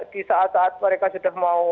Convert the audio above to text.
di saat saat mereka sudah mau